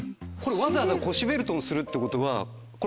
わざわざ腰ベルトもするってことはこれ。